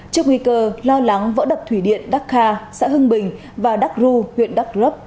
trước nguy cơ lo lắng vỡ đập thủy điện dakar xã hưng bình và dakru huyện dakrop